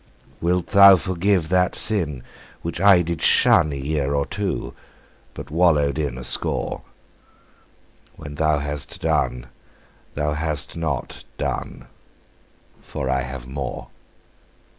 Wilt Thou forgive that sin which I did shun A year or two, but wallowed in a score? When Thou hast done, Thou hast not done, For I have more.